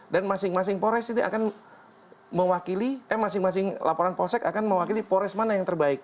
dan masing masing polres itu akan mewakili eh masing masing laporan polsek akan mewakili polres mana yang terbaik